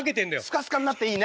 スカスカになっていいね。